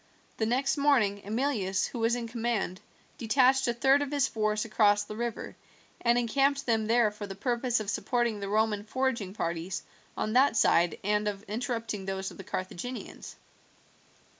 The next morning Emilius, who was in command, detached a third of his force across the river, and encamped them there for the purpose of supporting the Roman foraging parties on that side and of interrupting those of the Carthaginians.